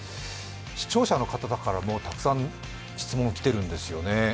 視聴者の方からもたくさん質問来てるんですよね。